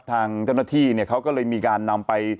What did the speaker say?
ทางเจ้าหน้าที่เนี่ยเขาก็เลยมีการนำไป